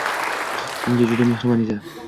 Menga juda mehribon edi.